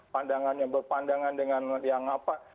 pandangannya berpandangan dengan yang apa